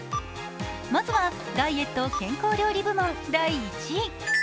まずは、ダイエット・健康料理部門第１位。